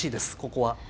ここは。